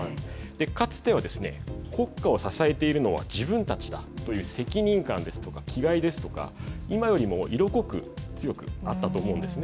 かつては国家を支えているのは自分たちだという責任感ですとか気概今よりも色濃く強かったと思うんです。